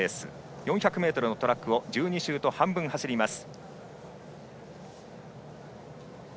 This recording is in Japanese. ４００ｍのトラックを１２周と半分走ります。